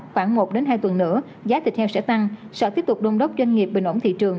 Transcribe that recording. khoảng một hai tuần nữa giá thịt heo sẽ tăng sở tiếp tục đôn đốc doanh nghiệp bình ổn thị trường